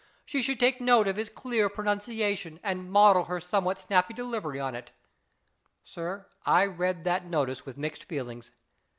She should take note of his clear pronunciation arid model her somewhat snappy delivery on it.' Sir, I read that notice with mixed feelings.